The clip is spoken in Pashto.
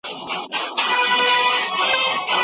څنګه طبیعت ته کتل زموږ ذهن اراموي؟